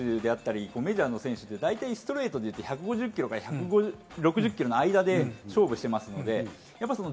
日本の選手であったり、メジャーの選手って、大体ストレート、１５０キロから１６０キロの間で勝負してます。